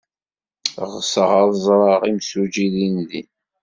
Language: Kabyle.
Ɣseɣ ad ẓreɣ imsujji dindin.